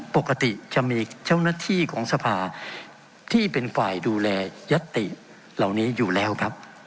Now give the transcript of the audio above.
ปกติจะมีเจ้าหน้าที่ของสภาที่เป็นฝ่ายดูแลยัตติเหล่านี้อยู่แล้วครับ